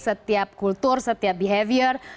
setiap kultur setiap behavior